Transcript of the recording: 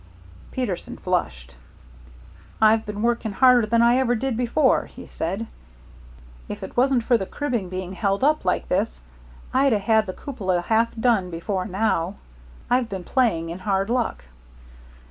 Peterson flushed. "I've been working harder than I ever did before," he said. "If it wasn't for the cribbing being held up like this, I'd 'a' had the cupola half done before now. I've been playing in hard luck."